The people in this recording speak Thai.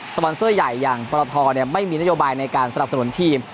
ปอนเซอร์ใหญ่อย่างปรทไม่มีนโยบายในการสนับสนุนทีม